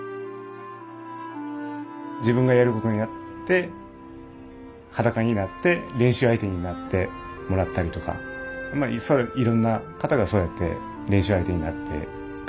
自分がやることになって裸になって練習相手になってもらったりとかいろんな方がそうやって練習相手になってくれたんで。